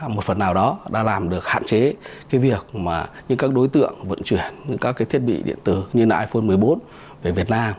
một phần nào đó đã làm được hạn chế việc các đối tượng vận chuyển các thiết bị điện tử như iphone một mươi bốn về việt nam